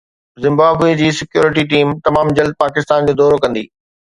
Zimbabwe جي security team تمام جلد پاڪستان جو دورو ڪندي